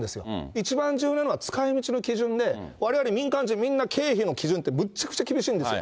一番重要なのは使いみちの基準で、われわれ民間人、みんな、経費の基準って、めちゃくちゃ厳しいんですよ。